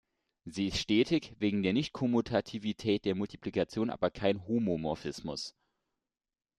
Sie ist stetig, wegen der Nicht-Kommutativität der Multiplikation aber kein Homomorphismus.